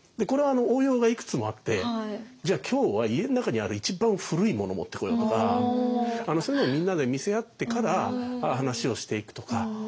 これは応用がいくつもあってじゃあ今日は家の中にある一番古いものを持ってこようとかそういうのみんなで見せ合ってから話をしていくとか。